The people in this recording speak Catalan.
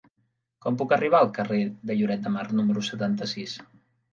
Com puc arribar al carrer de Lloret de Mar número setanta-sis?